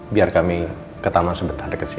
biar kami ke taman sebentar deket sini